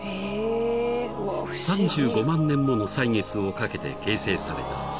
［３５万年もの歳月をかけて形成された］